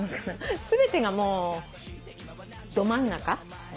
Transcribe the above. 全てがもうど真ん中。